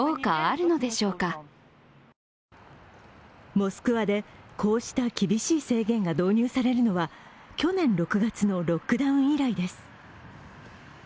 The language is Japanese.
モスクワで、こうした厳しい制限が導入されるのは去年６月のロックダウン以来です。